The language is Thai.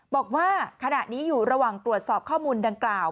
บอกว่าขณะนี้อยู่ระหว่างตรวจสอบข้อมูลดังกล่าว